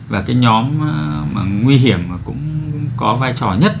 và cái nhóm mà nguy hiểm mà cũng có vai trò nhất